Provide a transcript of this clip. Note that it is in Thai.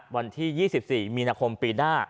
วันที่๒๔มีนาคมปีหน้า